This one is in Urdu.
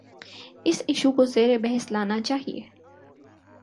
اس ایشو کو زیربحث لانا چاہیے۔